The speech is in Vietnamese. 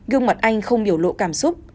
gương mặt anh không biểu lộ cảm xúc